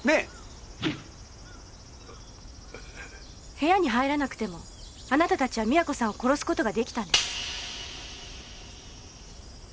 部屋に入らなくてもあなたたちは美和子さんを殺す事が出来たんです。